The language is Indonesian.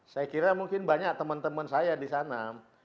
saya kira mungkin banyak teman teman saya di sana